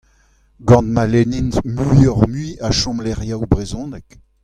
Gant ma lennint muiocʼh-mui a chomlecʼhioù brezhonek !